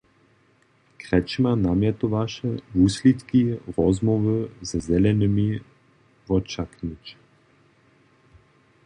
Kretschmer namjetowaše, wuslědki rozmołwow ze Zelenymi wočaknyć.